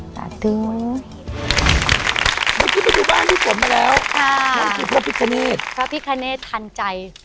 เมื่อกี้ไปดูบ้านพี่ฝนมาแล้วค่ะนี่คือพระพิคเนตพระพิคเนธทันใจ